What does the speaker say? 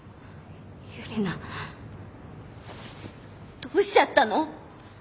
ユリナどうしちゃったの？